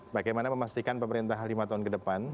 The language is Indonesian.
bagaimana memastikan pemerintah lima tahun ke depan